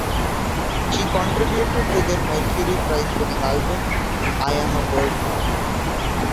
She contributed to their Mercury Prize-winning album, "I Am a Bird Now".